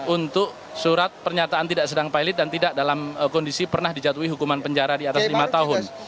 untuk surat pernyataan tidak sedang pilot dan tidak dalam kondisi pernah dijatuhi hukuman penjara di atas lima tahun